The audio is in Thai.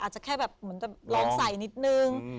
อาจจะแค่แบบลองใส่นิดนึง